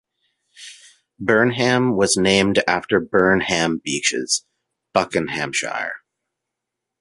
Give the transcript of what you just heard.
Burnham was named after Burnham Beeches, Buckinghamshire.